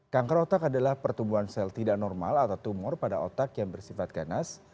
kanker otak adalah pertumbuhan sel tidak normal atau tumor pada otak yang bersifat ganas